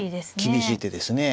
厳しい手ですね。